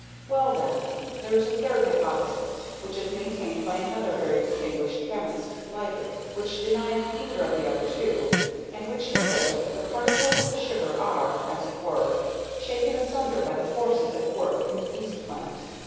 Well, then, there is a third hypothesis, which is maintained by another very distinguished chemist, Liebig, which denies either of the other two, and which declares that the particles of the sugar are, as it were, shaken asunder by the forces at work in the yeast plant.